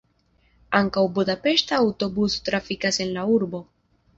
Ankaŭ budapeŝta aŭtobuso trafikas en la urbo.